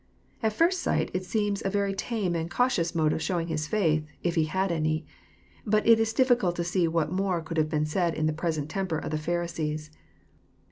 At first sight it seems a very tame and cautious mode of showing his faith, if he had any. But it is difficult to see what more could have been said in the present temper of the Pharisees.